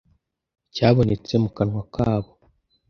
cyabonetse mu kanwa kabo